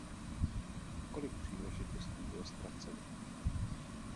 Kolik příležitostí bylo ztraceno?